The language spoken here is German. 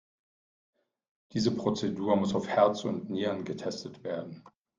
Diese Prozedur muss auf Herz und Nieren getestet werden.